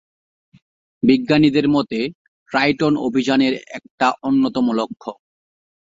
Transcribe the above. বিজ্ঞানীদের মতে ট্রাইটন অভিযানের একটা অন্যতম লক্ষ্য।